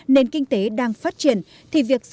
nền kinh tế đang phát triển